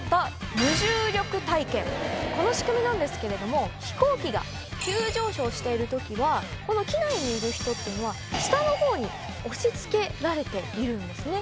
この仕組みなんですけれども飛行機が急上昇している時はこの機内にいる人っていうのは下の方に押し付けられているんですね。